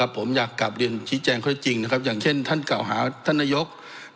ผมอยากกลับเรียนชี้แจงข้อได้จริงนะครับอย่างเช่นท่านเก่าหาท่านนายก